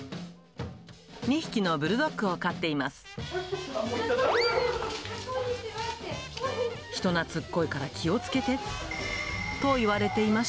２匹のブルドッグを飼っています。